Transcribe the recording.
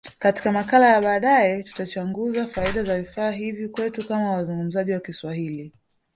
Katika makala ya baadaye, tutachunguza faida ya vifaa hivi kwetu kama wazungumzaji wa Kiswahili.